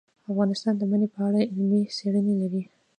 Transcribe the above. افغانستان د منی په اړه علمي څېړنې لري.